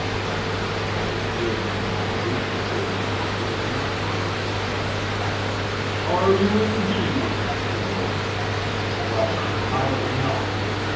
But Bishop's fury had by now reached a stage in which it was not to be restrained. "Are you, indeed?" he roared. "Well, then, I am not.